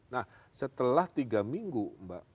nah setelah tiga minggu mbak